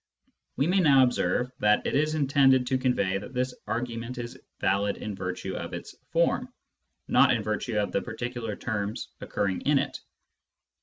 We may now observe that it is intended to convey that this argument is valid in virtue of its form, not in virtue of the particular terms occurring in it.